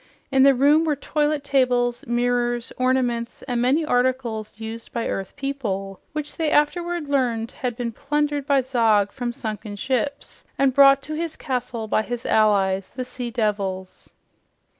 In the room were toilet tables, mirrors, ornaments and many articles used by earth people, which they afterward learned had been plundered by Zog from sunken ships and brought to his castle by his allies, the sea devils.